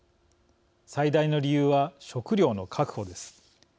最大の理由は、食料の確保です。